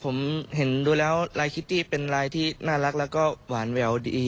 ผมเห็นดูแล้วลายคิตตี้เป็นลายที่น่ารักแล้วก็หวานแววดี